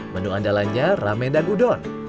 menu andalannya ramen dan udon